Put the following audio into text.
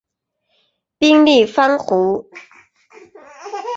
冰立方冰壶中心是一个位于俄罗斯索契的室内体育馆。